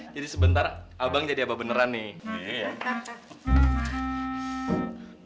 jadi sebentar abang jadi abang beneran nih